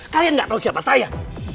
kalian gak tau siapa saya